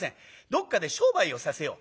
どっかで商売をさせよう。